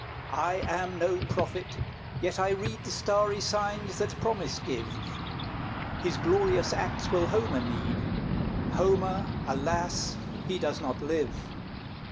I am no prophet, yet I read The starry signs that promise give. His glorious acts will Homer need; Homer, alas! he does not live.